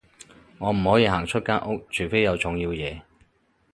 我唔可以行出間屋，除非有重要嘢